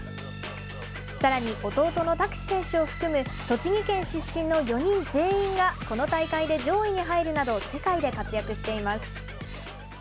さらに、弟の拓志選手を含む栃木県出身の４人全員がこの大会で上位に入るなど世界で活躍しています。